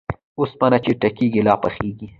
اوسپنه چې ټکېږي ، لا پخېږي.